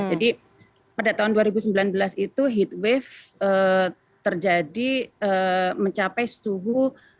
jadi pada tahun dua ribu sembilan belas itu heat wave terjadi mencapai suhu tiga puluh